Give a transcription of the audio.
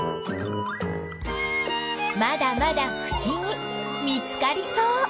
まだまだふしぎ見つかりそう。